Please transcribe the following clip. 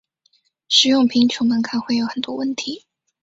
使用贫穷门槛会有很多问题。